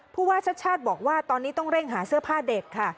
ผู้ว่าชาติชาติบอกว่าตอนนี้ต้องเร่งหาเสื้อผ้าเด็กค่ะ